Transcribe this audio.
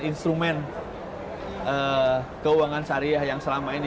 instrumen keuangan syariah yang selama ini